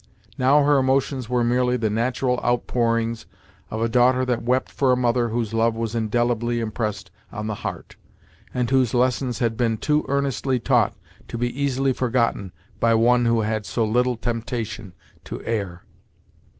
Now her emotions were merely the natural outpourings of a daughter that wept for a mother whose love was indelibly impressed on the heart, and whose lessons had been too earnestly taught to be easily forgotten by one who had so little temptation to err.